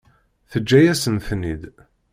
Teǧǧa-yasen-ten-id.